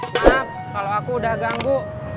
maaf kalau aku udah ganggu